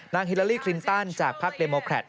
นางฮิลาลีคลินตันจากภาคเดมโมแครต